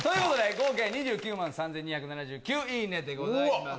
合計２９万３２７９いいねです。